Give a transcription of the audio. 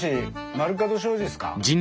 丸角商事っすか？